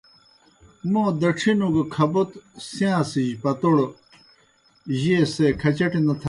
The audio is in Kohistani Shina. موں دڇِھنوْ گہ کھبوتوْ سِیاݩسِس پتوڑ چیئے سےکھچٹیْ نہ تھاسُن۔